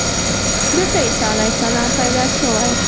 دلته عیسی علیه السلام پیدا شوی.